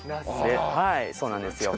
はいそうなんですよ。